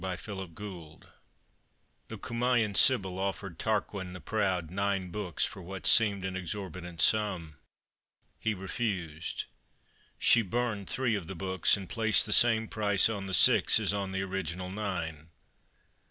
_ THE WORD The Cumaean sibyl offered Tarquin the Proud nine books for what seemed an exorbitant sum. He refused. She burned three of the books, and placed the same price on the six as on the original nine.